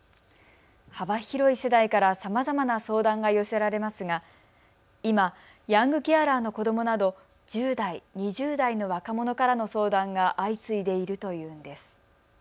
幅広い世代からさまざまな相談が寄せられますが今、ヤングケアラーの子どもなど１０代、２０代の若者からの相談が相次いでいるというのです。